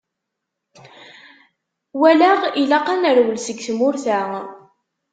walaɣ ilaq ad nerwel seg tmurt-a.